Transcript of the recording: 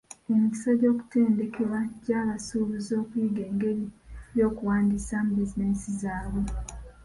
Emiskisa gy'okutendekebwa gya basuubuzi okuyiga engeri y'okuwandisaamu bizinesi zaabwe.